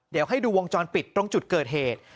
เดี๋ยวให้ดูวงจรปิดตรงจุดเกิดเหตุ